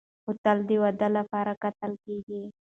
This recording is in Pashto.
هوټل د واده لپاره کتل کېږي.